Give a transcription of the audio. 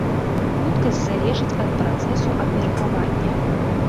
Хуткасць залежыць ад працэсу абмеркавання.